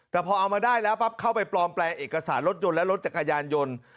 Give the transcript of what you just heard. แต่พอเอามาได้แล้วปั๊บเข้าไปปลอมแปลงเอกสารรถยนต์และรถจักรยานยนต์